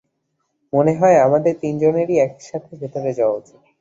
মনে হয় আমাদের তিনজনেরই একসাথে ভেতরে যাওয়া উচিত।